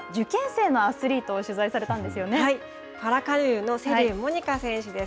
パラカヌーの瀬立モニカ選手です。